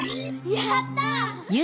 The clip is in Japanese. やった！